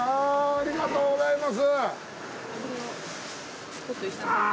ありがとうございます。